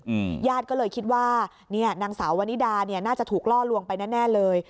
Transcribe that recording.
อืมญาติก็เลยคิดว่าเนี้ยนางสาววนิดาเนี่ยน่าจะถูกล่อลวงไปแน่แน่เลย